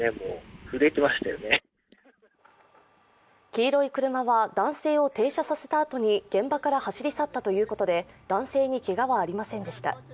黄色い車は男性を停車させたあとに現場から走り去ったということで男性にけがはありませんでした。